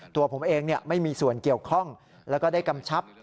ตัวผมเองไม่มีส่วนเกี่ยวข้องแล้วก็ได้กำชับ